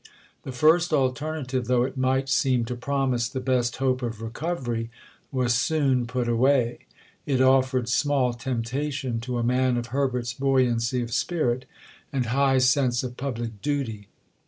The first alternative, though it might seem to promise the best hope of recovery, was soon put away: it offered small temptation to a man of Herbert's buoyancy of spirit and high sense of public duty.